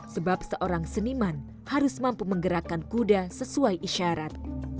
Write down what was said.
sebab seorang seniman harus mampu menggerakkan kuda sesuai isyarat